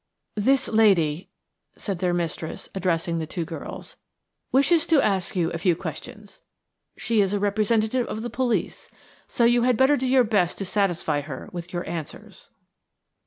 "This lady," said their mistress, addressing the two girls, "wishes to ask you a few questions. She is a representative of the police, so you had better do your best to satisfy her with your answers."